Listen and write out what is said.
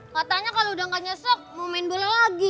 katanya kalau udah gak nyesok mau main bola lagi